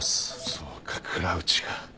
そうか倉内か。